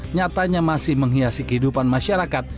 nyatanya masih menghiasi kehidupan masyarakat